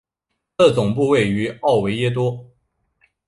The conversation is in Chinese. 它的总部位于奥维耶多。